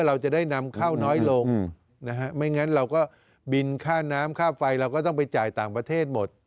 เราจะได้นำเข้าน้อยลงนะฮะไม่งั้นเราก็บินค่าน้ำค่าไฟเราก็ต้องไปจ่ายต่างประเทศหมด